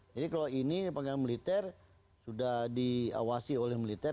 jadi kalau ini pangkalan militer sudah diawasi oleh militer